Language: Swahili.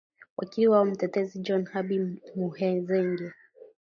wakili wao mtetezi john habie muhuzenge